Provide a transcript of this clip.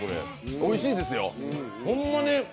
おいしいですよ。